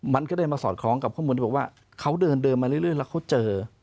มันก็ได้มาสอดคล้องกับข้อมูลที่บอกว่าเขาเดินมาเรื่อยแล้วเขาเจอ